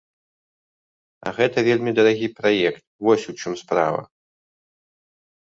А гэта вельмі дарагі праект, вось у чым справа!